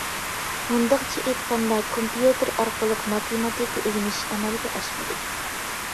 مۇنداقچە ئېيتقاندا كومپيۇتېر ئارقىلىق ماتېماتىكا ئۆگىنىش ئەمەلگە ئاشمىدى.